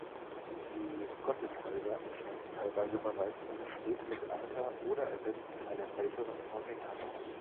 Die Gotteshäuser entstanden teilweise bereits im Spätmittelalter oder ersetzen einen älteren Vorgängerbau.